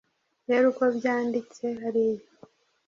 reba uko byanditse hariya